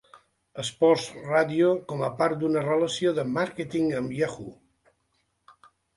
Sports Radio com a part d'una relació de màrqueting amb Yahoo!